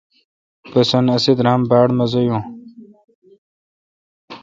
بسن اسی درام می باڑ مزہ یو۔